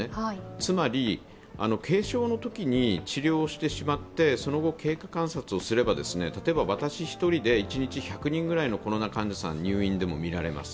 つまり軽症のときに治療をしてしまってその後経過観察をすれば例えば私１人で一日１００人くらいのコロナ患者さんを入院でも診られます。